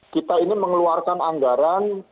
kita ini mengeluarkan anggaran